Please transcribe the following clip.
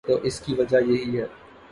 تو اس کی وجہ یہی ہے۔